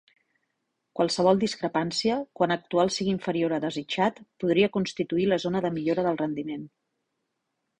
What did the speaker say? Qualsevol discrepància, quan Actual sigui inferior a Desitjat, podria constituir la zona de millora del rendiment.